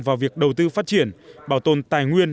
vào việc đầu tư phát triển bảo tồn tài nguyên